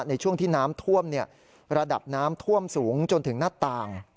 ในช่วงที่น้ำท่วมระดับน้ำท่วมสูงจนถึงหน้าต่าง